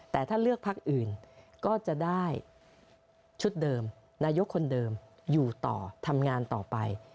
แต่ถ้าเลือกพักอื่นก็จะได้ชุดเดิมนายกคนเดิมอยู่ต่อทำงานต่อไป